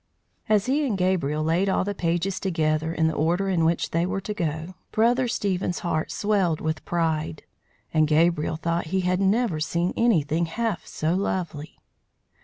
As he and Gabriel laid all the pages together in the order in which they were to go, brother Stephen's heart swelled with pride, and Gabriel thought he had never seen anything half so lovely!